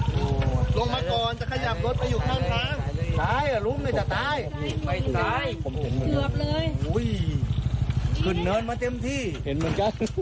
ลงมาก่อนจะขยับรถไปช่างทาง